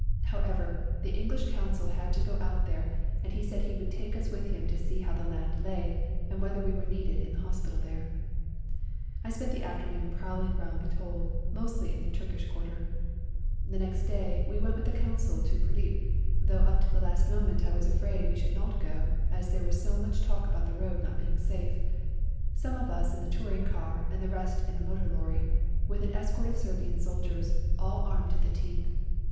How ever, the English Consul had to go out there, and he said he would take us with him to see how the land lay, and whether we were needed in the hospital there. I spent the afternoon prowling round Bitol, mostly in the Turkish quarter. 6 REJOINING THE SERBIANS The next day we went with the Consul to Prilip — though up to the last moment I was afraid we should not go, as there was so much talk about the road not being safe — some of us in the touring car and the rest in a motor lorry, with an escort of Serbian soldiers, all armed to the teeth.